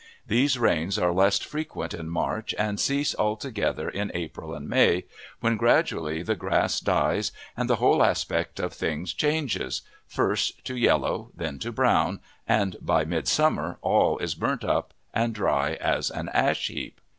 These rains are less frequent in March, and cease altogether in April and May, when gradually the grass dies and the whole aspect of things changes, first to yellow, then to brown, and by midsummer all is burnt up and dry as an ashheap.